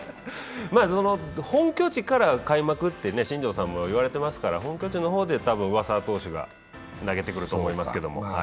本拠地から開幕って新庄さんも言われていますから、本拠地の方で多分、うわさの投手が投げてくると思いますけど。